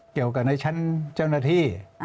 เกี่ยวกับในชั้นเจ้าหน้าที่